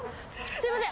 すいません。